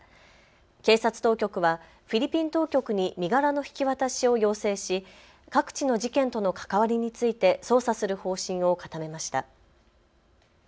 警察当局はフィリピン当局に身柄の引き渡しを要請し各地の事件との関わりについて捜査する方針を固めました。